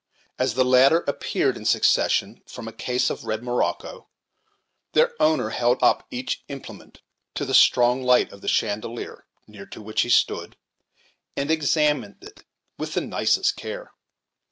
As the latter appeared in succession, from a case of red morocco, their owner held up each implement to the strong light of the chandelier, near to which he stood, and examined it with the nicest care.